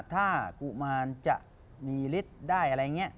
ถ้ากุมารจะมีฤทธิ์ได้อะไรอย่างนี้